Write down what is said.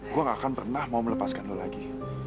gue gak akan pernah mau melepaskan lo lagi